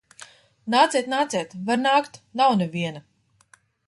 Nāciet, nāciet! Var nākt. Nav neviena.